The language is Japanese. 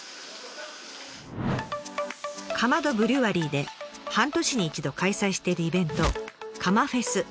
カマドブリュワリーで半年に一度開催しているイベントカマフェス。